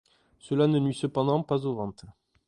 Cela ne nuit cependant pas aux ventes.